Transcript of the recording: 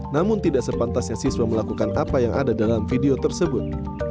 namun tidak sepantasnya siswa melakukan apa yang ada dalam video tersebut